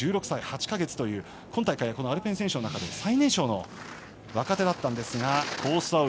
１６歳８か月という今大会アルペン選手の中で最年少の若手だったんですがコース